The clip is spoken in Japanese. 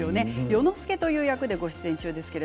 与之助という役でご出演中です。